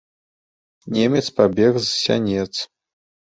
Немец пабег з сянец.